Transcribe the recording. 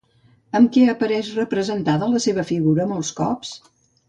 Amb què apareix representada la seva figura molts cops?